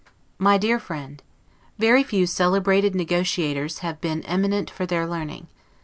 MY DEAR FRIEND: Very few celebrated negotiators have been eminent for their learning.